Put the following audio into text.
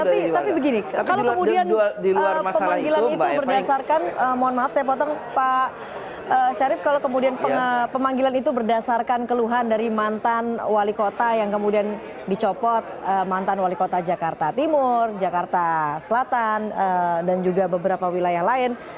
tapi begini kalau kemudian pemanggilan itu berdasarkan mohon maaf saya potong pak syarif kalau kemudian pemanggilan itu berdasarkan keluhan dari mantan wali kota yang kemudian dicopot mantan wali kota jakarta timur jakarta selatan dan juga beberapa wilayah lain